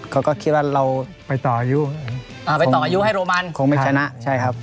เขาก็คิดว่าเราไปต่ออายุอ่าไปต่ออายุให้โรมันคงไม่ชนะใช่ครับ